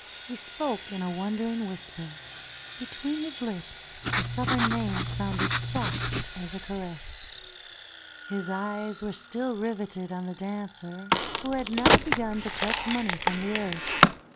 He spoke in a wondering whisper. Between his lips the Southern name sounded soft as a caress. His eyes were still riveted on the dancer who had now begun to collect money from the Arabs.